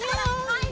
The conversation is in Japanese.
はい！